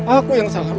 aku yang salah